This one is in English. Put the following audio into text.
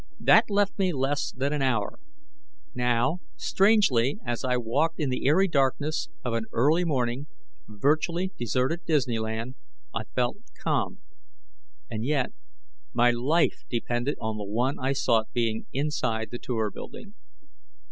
That left me less than an hour, now; strangely, as I walked in the eerie darkness of an early morning, virtually deserted Disneyland, I felt calm. And yet, my life depended on the one I sought being inside the Tour building.